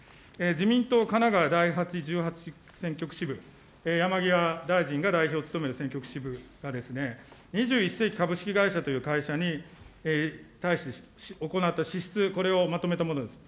自民党神奈川第１８選挙区支部、山際大臣が代表を務める選挙区支部が、２１世紀株式会社という会社に対して、行った支出、これをまとめたものです。